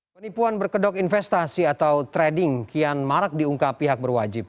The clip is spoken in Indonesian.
penipuan berkedok investasi atau trading kian marak diungkap pihak berwajib